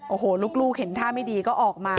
โอ้โหลูกเห็นท่าไม่ดีก็ออกมา